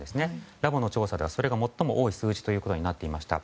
ラボの調査ではそれが最も多い数字になっていました。